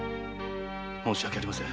申し訳ありません。